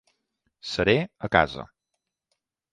Seré a casa.